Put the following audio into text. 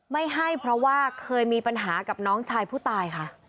ไม่ให้เพราะว่าเคยมีปัญหากับน้องชายผู้ตายค่ะ